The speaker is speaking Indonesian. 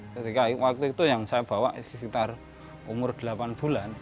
ketika waktu itu yang saya bawa sekitar umur delapan bulan